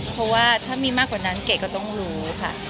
เพราะว่าถ้ามีมากกว่านั้นเก๋ก็ต้องรู้ค่ะ